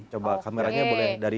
coba kameranya boleh dari